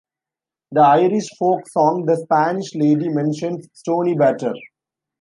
The Irish folk song "The Spanish Lady" mentions Stoneybatter.